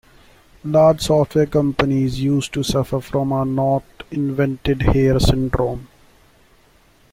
Large software companies used to suffer from a not invented here syndrome.